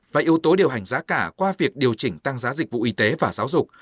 và yếu tố điều hành giá cả qua việc điều chỉnh tăng giá dịch vụ y tế và giáo dục